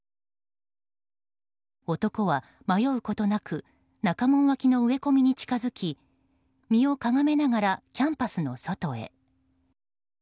男は迷うことなく中門脇の植え込みに近づき身をかがめながらキャンパスの外へ。